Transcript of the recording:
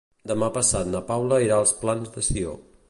Demà passat na Paula irà als Plans de Sió.